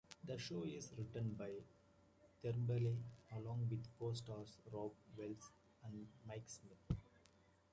The show is written by Tremblay along with co-stars Robb Wells and Mike Smith.